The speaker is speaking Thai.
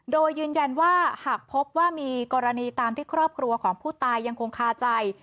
โดยยืนยันว่าหากพบว่ามีกรณีตามที่ครอบครัวของผู้ตายยังคงคาใจ